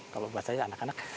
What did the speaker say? kalau bahasanya anak anak